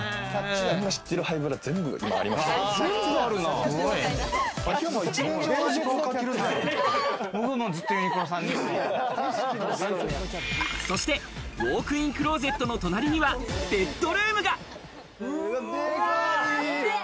秋山、一年中同じパーカー着そしてウォークインクローゼットの隣には、ベッドルームが。